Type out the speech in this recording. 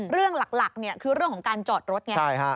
เรื่องหลักคือเรื่องของการจอดรถไง